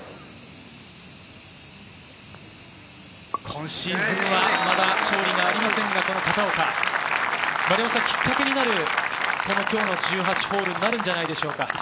今シーズンはまだ勝利がありませんが、片岡、きっかけになる今日の１８ホールになるんじゃないでしょうか？